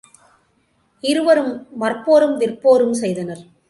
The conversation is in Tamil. இருவரும் மற்போரும் விற்போரும் செய்தனர்.